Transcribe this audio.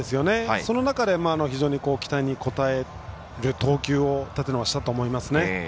その中で非常に期待に応える投球を立野はしたと思いますね。